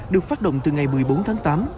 được phát động từ ngày một mươi bốn tháng tám